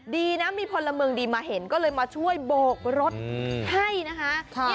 ดีนะมีพลเมืองดีมาเห็นก็เลยมาช่วยโบกรถให้นะคะ